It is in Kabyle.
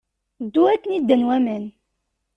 Ddu akken i ddan waman.